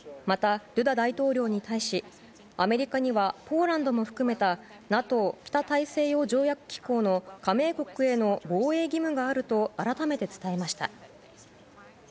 また、ドゥダ大統領に対しアメリカにはポーランドも含めたＮＡＴＯ・北大西洋条約機構の加盟国への防衛義務があると改めて伝えました。